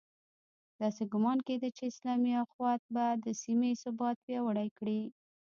داسې ګومان کېده چې اسلامي اُخوت به د سیمې ثبات پیاوړی کړي.